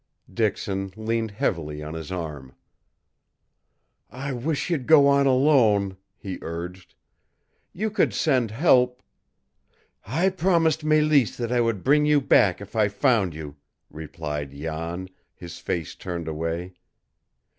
Dixon leaned heavily on his arm. "I wish you'd go on alone," he urged. "You could send help " "I promised Mélisse that I would bring you back if I found you," replied Jan, his face turned away.